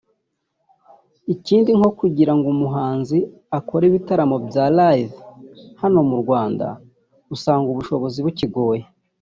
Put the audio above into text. Ikindi nko kugira ngo umuhanzi akore ibitaramo bya Live hano mu Rwanda usanga ubushobozi bukigoye